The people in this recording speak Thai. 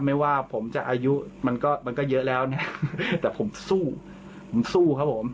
ไม่ว่าผมจะอายุมันก็มันก็เยอะแล้วนะแต่ผมสู้ผมสู้ครับผม